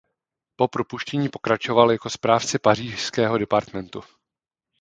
Po propuštění pokračoval jako správce pařížského departementu.